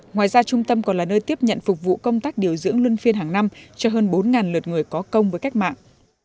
ngoài ra trung tâm còn là nơi tiếp nhận phục vụ công tác điều dưỡng lương phiên hàng năm cho hơn bốn lượt người có công với cách mạng